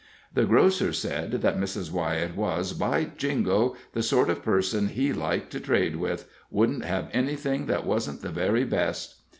The grocer said that Mrs. Wyett was, by jingo, the sort of person he liked to trade with wouldn't have anything that wasn't the very best.